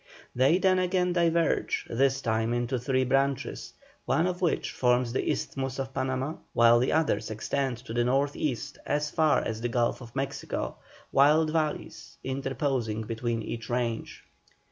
They then again diverge, this time into three branches, one of which forms the isthmus of Panama, while the others extend to the north east as far as the Gulf of Mexico, wide valleys interposing between each range.